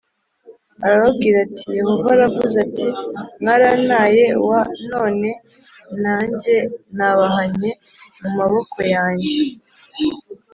arababwira ati Yehova aravuze ati mwarantaye w none nanjye nabahanye mu maboko ya njye